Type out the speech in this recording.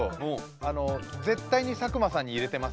あの絶対に佐久間さんに入れてますね